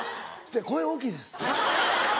声大きいです。